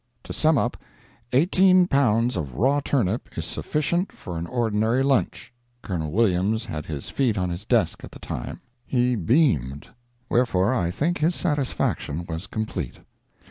To sum up: eighteen pounds of raw turnip is sufficient for an ordinary lunch—Col. Williams had his feet on his desk at the time—he beamed—wherefore, I think his satisfaction was complete.